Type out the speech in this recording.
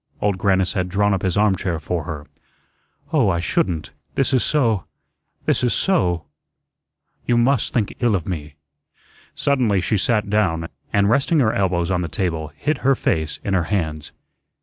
Old Grannis had drawn up his armchair for her. "Oh, I shouldn't. This is this is SO You must think ill of me." Suddenly she sat down, and resting her elbows on the table, hid her face in her hands.